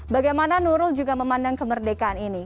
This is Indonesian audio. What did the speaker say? bagaimana nurul juga memandang kemerdekaan ini